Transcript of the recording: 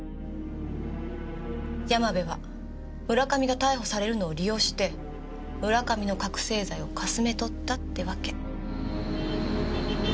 山部は村上が逮捕されるのを利用して村上の覚せい剤をかすめ取ったってわけ。